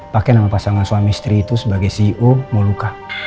pakai nama pasangan suami istri itu sebagai ceo molucca